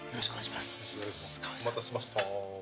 お待たせしました。